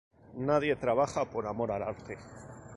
Nadie trabaja por amor al arte